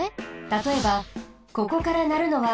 たとえばここからなるのは。